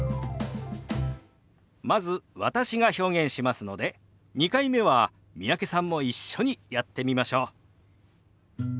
まず私が表現しますので２回目は三宅さんも一緒にやってみましょう。